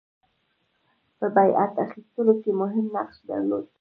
په بیعت اخیستلو کې مهم نقش درلود.